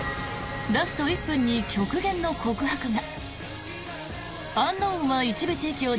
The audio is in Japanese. ラスト１分に極限の告白が！